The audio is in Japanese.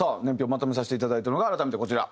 まとめさせていただいたのが改めてこちら。